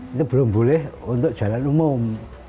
itu belum boleh untuk jalan umum